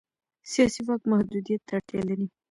سیاسي واک محدودیت ته اړتیا لري